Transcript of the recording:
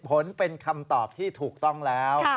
ผลเป็นคำตอบที่ถูกต้องแล้ว